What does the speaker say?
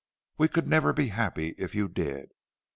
We could never be happy if you did.